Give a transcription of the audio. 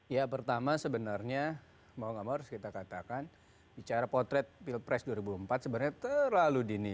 ya pertama sebenarnya mau gak mau harus kita katakan bicara potret pilpres dua ribu empat sebenarnya terlalu dini